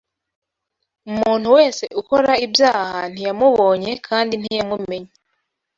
umuntu wese ukora ibyaha ntiyamubonye kandi ntiyamumenye